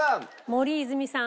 森泉さん。